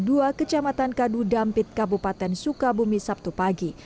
di desa muara ii kecamatan kadu dampit kabupaten sukabumi sabtu pagi